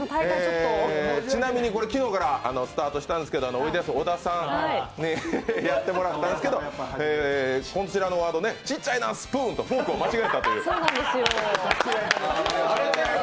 ちなみに昨日からスタートしたんですけど、おいでやす小田さんにやってもらったんですけど、「ちっちゃいなスプーン」とフォークと間違えたという。